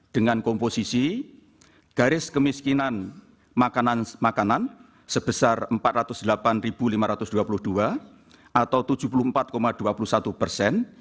dengan komposisi garis kemiskinan makanan sebesar empat ratus delapan lima ratus dua puluh dua atau tujuh puluh empat dua puluh satu persen